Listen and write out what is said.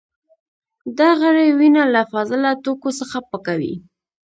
دا غړي وینه له فاضله توکو څخه پاکوي.